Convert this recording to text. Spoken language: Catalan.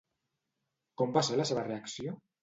Com va ser la seva reacció?